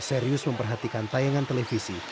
serius memperhatikan tayangan televisi